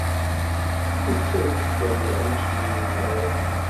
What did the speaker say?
Ittak-d amɛic i lmal.